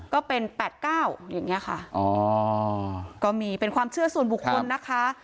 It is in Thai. ก็เป็น๘๙อย่างนี้ค่ะอ๋อก็มีเป็นความเชื่อส่วนบุคคลนะคะ